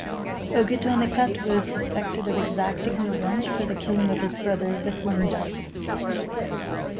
Ogetonicut was suspected of exacting revenge for the killing of his brother, Whistling Duck.